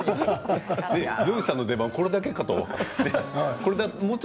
城次さんの出番はこれだけかと。